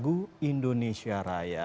lagu indonesia raya